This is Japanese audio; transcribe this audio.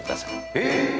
えっ！？